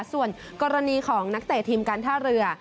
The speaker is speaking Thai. ส่วนกรณีของนักเตะทีมการท่าเรือ